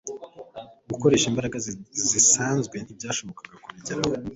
Gukoresha imbaraga zisanzwe ntibyashobokaga kubigeraho,